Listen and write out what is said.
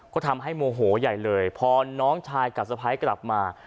ก็ทำให้โมโหใหญ่เลยพอน้องชายกับสะพ้ายกลับมา